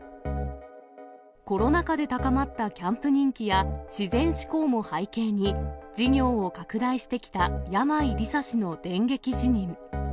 コロナ禍で高まったキャンプ人気や、自然志向も背景に、事業を拡大してきた山井梨沙氏の電撃辞任。